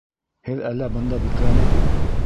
Һеҙ әллә бында бикләнеп...